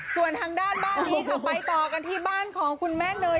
ส่วนทางด้านบ้านนี้ค่ะไปต่อกันที่บ้านของคุณแม่เนย